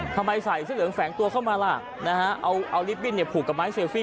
ใส่เสื้อเหลืองแฝงตัวเข้ามาล่ะนะฮะเอาลิฟตบิ้นผูกกับไม้เลฟี่